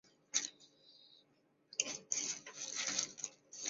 顺天府乡试第二名。